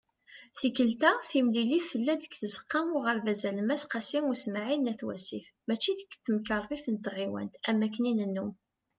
Tikelt-a, timlilit tella-d deg Tzeqqa n Uɣerbaz Alemmas "Qasi Usmaɛil" n At Wasif mačči deg Temkarḍit n Tɣiwant am wakken i nennum.